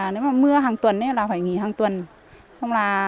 nếu mưa hàng tuần thì phải nghỉ hàng tuần